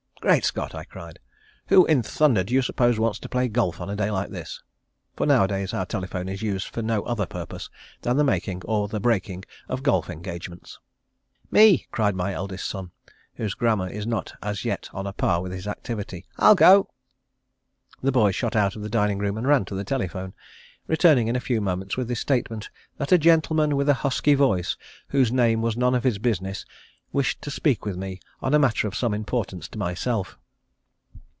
"Great Scott!" I cried, "Who in thunder do you suppose wants to play golf on a day like this?" for nowadays our telephone is used for no other purpose than the making or the breaking of golf engagements. "Me," cried my eldest son, whose grammar is not as yet on a par with his activity. "I'll go." The boy shot out of the dining room and ran to the telephone, returning in a few moments with the statement that a gentleman with a husky voice whose name was none of his business wished to speak with me on a matter of some importance to myself.